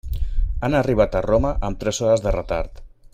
Han arribat a Roma amb tres hores de retard.